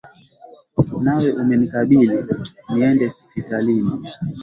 Nawe umenikabili, niende sipitalini.